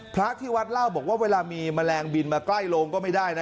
พระที่วัดเล่าบอกว่าเวลามีแมลงบินมาใกล้โรงก็ไม่ได้นะ